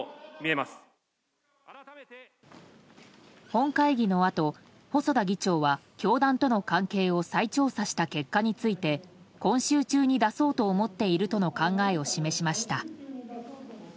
本会議のあと細田議長は、教団との関係を再調査した結果について今週中に出そうと思っているとの考えを示しました。